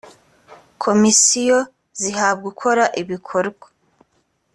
komisiyo zihabwa ukora ibikorwa